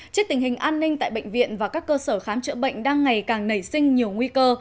trước tình hình an ninh tại bệnh viện và các cơ sở khám chữa bệnh đang ngày càng nảy sinh nhiều nguy cơ